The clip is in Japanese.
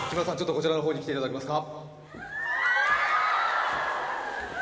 こちらのほうに来ていただけますか？